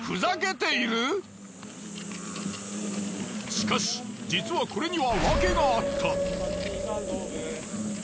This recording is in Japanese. しかし実はこれには訳があった。